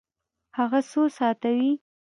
هغه څو ساعته وی؟